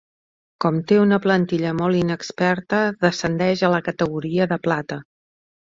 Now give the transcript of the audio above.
Com té una plantilla molt inexperta, descendeix a la categoria de plata.